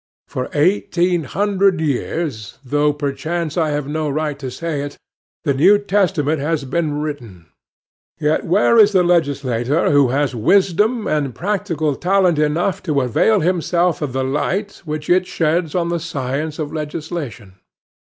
For eighteen hundred years, though perchance I have no right to say it, the New Testament has been written; yet where is the legislator who has wisdom and practical talent enough to avail himself of the light which it sheds on the science of legislation.